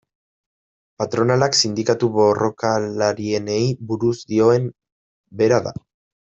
Patronalak sindikatu borrokalarienei buruz dioen bera da.